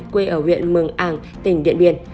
quê ở huyện mường ảng tỉnh điện biển